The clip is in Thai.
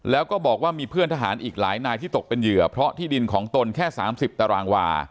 แล้วก็บอกว่ามีเพื่อนทหารอีกหลายนายที่ตกเป็นเหยื่อเพราะที่ดินของตนแค่๓๐ตารางวา